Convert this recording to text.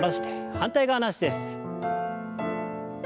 反対側の脚です。